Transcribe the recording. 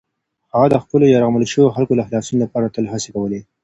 هغه د خپلو یرغمل شویو خلکو د خلاصون لپاره تل هڅې کولې.